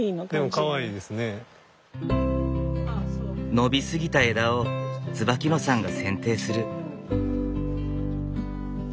伸び過ぎた枝を椿野さんが剪定する。